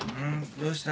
どうした？